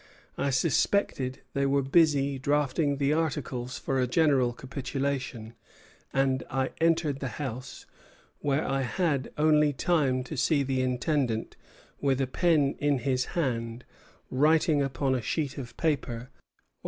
I suspected they were busy drafting the articles for a general capitulation, and I entered the house, where I had only time to see the Intendant, with a pen in his hand, writing upon a sheet of paper, when M.